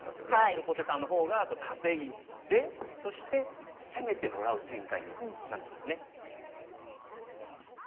横手さんの方が稼いでそして攻めてもらう展開になってますね。